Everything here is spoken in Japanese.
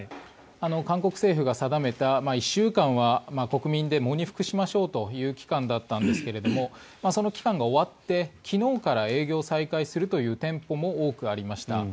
韓国政府が定めた１週間は国民で喪に服しましょうという期間だったんですがその期間が終わって昨日から営業を再開するという店舗も多くありました。